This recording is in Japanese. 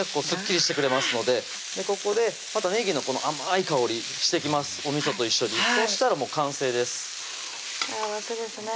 スッキリしてくれますのでここでまたねぎの甘い香りしてきますおみそと一緒にそしたらもう完成です